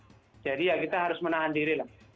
jadi ya kita harus menahan diri lah